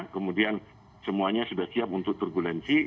kemudian semuanya sudah siap untuk turbulensi